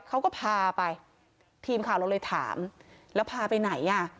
เขาก็พาไปทีมข่าวเราเลยถามแล้วพาไปไหนอ่ะ